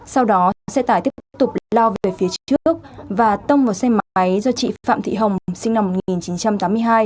sau đó xe tải tiếp tục lao về phía trước và tông vào xe máy do chị phạm thị hồng sinh năm một nghìn chín trăm tám mươi hai